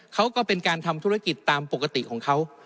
เขาก็เป็นการทำธุรกิจตามปกติของเขา